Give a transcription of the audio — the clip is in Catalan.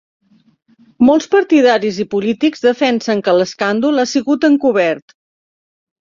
Molts partidaris i polítics defensen que l'escàndol ha sigut encobert.